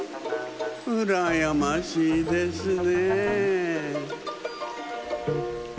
うらやましいですね。